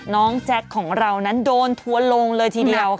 น้องแจ็คของเรานั้นโดนทัวลงเลยทีเดียวค่ะ